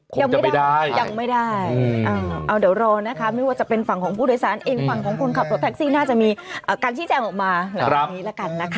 ยังไม่ได้เอาเดี๋ยวรอนะครับไม่ว่าจะเป็นฝั่งของผู้โดยสารเองฝั่งของคนขับรถแท็กซี่น่าจะมีการที่แจ้งออกมา